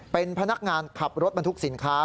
เป็นพนักงานขับรถบรรทุกสินค้า